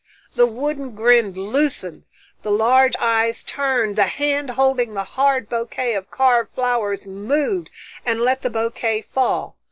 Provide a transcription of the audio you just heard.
The wooden grin loosened, the large eyes turned, the hand holding the hard bouquet of carved flowers moved, and let the bouquet fall.